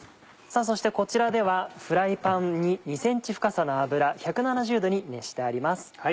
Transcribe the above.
そしてこちらではフライパンに２ｃｍ深さの油１７０℃に熱してあります。